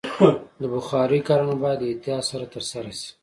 د بخارۍ کارونه باید له احتیاط سره ترسره شي.